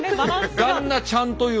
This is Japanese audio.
旦那ちゃんと言う。